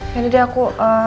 ya udah deh aku